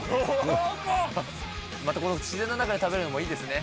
またこの自然の中で食べるのもいいですね。